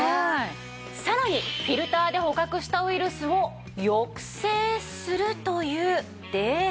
さらにフィルターで捕獲したウイルスを抑制するというデータもあるんです。